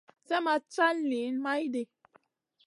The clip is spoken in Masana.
Slèh ma cal niyn maydi.